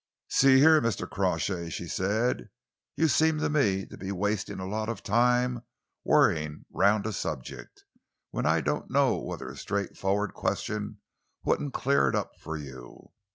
"See here, Mr. Crawshay," she said, "you seem to me to be wasting a lot of time worrying round a subject, when I don't know whether a straightforward question wouldn't clear it up for you.